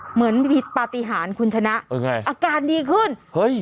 เหมือนมีปฏิหารคุณชนะอาการดีขึ้นเห้ยเห้ย